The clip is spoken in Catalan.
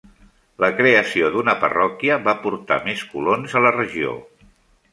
La creació d'una parròquia va portar més colons a la regió.